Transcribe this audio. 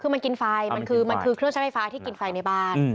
คือมันกินไฟมันคือมันคือเครื่องใช้ไฟฟ้าที่กินไฟในบ้าน